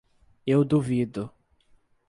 Eu duvido